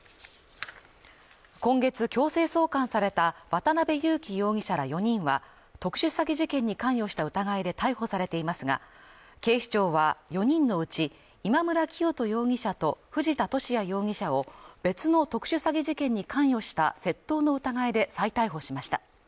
今月強制送還された渡辺優樹容疑者ら４人は、特殊詐欺事件に関与した疑いで逮捕されていますが、警視庁は４人のうち、今村磨人容疑者と藤田聖也容疑者を、別の特殊詐欺事件に関与した窃盗の疑いで再逮捕しました。